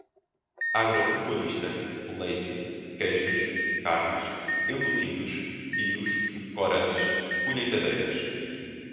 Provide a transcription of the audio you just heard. agropecuarista, leite, queijos, carnes, embutidos, fios, corantes, colheitadeiras